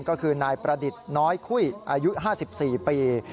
ก็คือนายประดิษฐ์น้อยคุ้ยอายุ๕๔ปี